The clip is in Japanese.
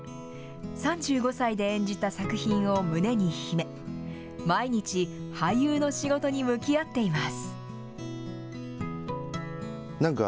３５歳で演じた作品を胸に秘め、毎日俳優の仕事に向き合っています。